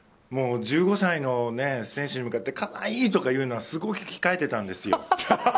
１５歳の選手に向かって可愛い！とか言うのはすごく控えていたんですよ。